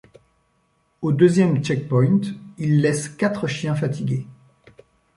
Au deuxième check-point il laisse quatre chiens fatigués.